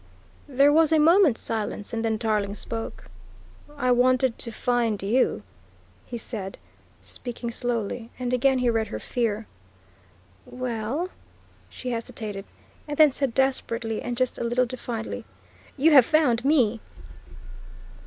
There was a moment's silence, and then Tarling spoke. "I wanted to find you," he said, speaking slowly, and again he read her fear. "Well," she hesitated, and then said desperately and just a little defiantly, "you have found me!"